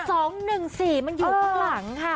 สองหนึ่งสี่มันอยู่ข้างหลังค่ะ